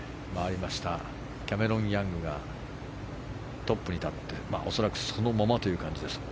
そのキャメロン・ヤングがトップに立って恐らくそのままという感じです。